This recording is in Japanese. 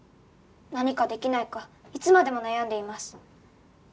「何かできないかいつまでも悩んでいます」